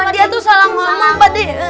dia tuh salah ngomong pakde